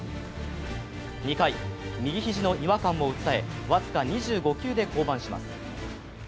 ２回、右肘の違和感を訴え、僅か２５球で降板します。